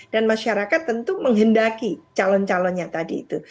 dan masyarakat tentu menghendaki calon calonnya tadi itu